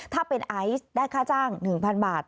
ถ้าเป็นไอซ์ได้ค่าจ้าง๑๐๐๐บาท